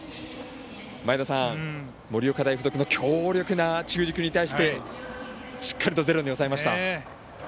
前田さん、盛岡大付属の強力な中軸に対してしっかりとゼロで抑えました。